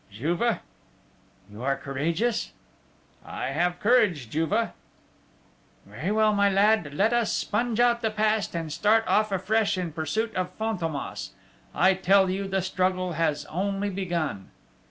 "Juve?" "You are courageous?" "I have courage, Juve!" "Very well, my lad, let us sponge out the past, and start off afresh in pursuit of Fantômas!... I tell you the struggle has only begun....